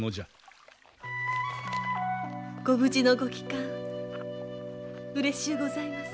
ご無事のご帰還うれしゅうございます。